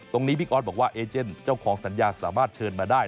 บิ๊กออสบอกว่าเอเจนเจ้าของสัญญาสามารถเชิญมาได้